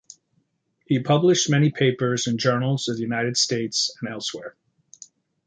He published many papers in journals of the United States and elsewhere.